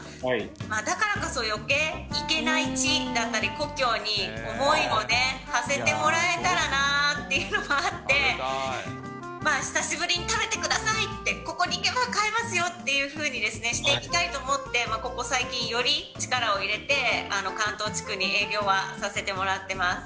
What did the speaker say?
だからこそ、よけい行けない地域だったり、故郷に思いをはせてもらえたらなぁっていうのもあって、久しぶりに食べてくださいって、ここに行けば買えますよっていうふうにしていきたいと思って、ここ最近、より力を入れて関東地区に営業はさせてもらってます。